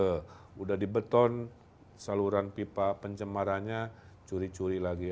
sudah di beton saluran pipa pencemarannya curi curi lagi